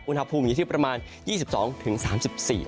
อุณหภูมิยี่สิบประมาณยี่สิบสองถึงสามสิบสี่